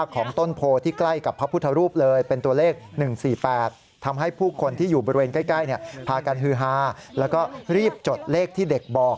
ใกล้พากันฮือฮาแล้วก็รีบจดเลขที่เด็กบอก